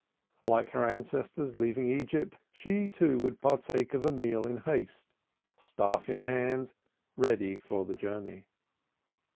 Like her ancestors leaving Egypt, she, too, would partake of a meal in haste, staff in hand ready for the journey.